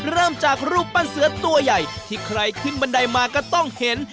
เริ่มจากรูปปั้นเสือตัวใหญ่ที่ใครขึ้นบันไดมาก็ต้องเห็น